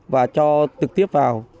và cho tực tiếp vào